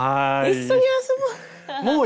「一緒に遊ぼう」。